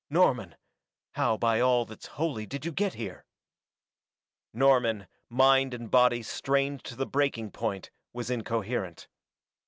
"Norman how by all that's holy did you get here?" Norman, mind and body strained to the breaking point, was incoherent.